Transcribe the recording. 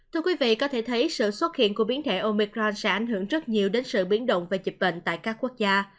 thưa quý vị có thể thấy sự xuất hiện của biến thể omicra sẽ ảnh hưởng rất nhiều đến sự biến động về dịch bệnh tại các quốc gia